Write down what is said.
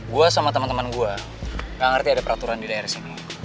gue sama teman teman gua gak ngerti ada peraturan di daerah sini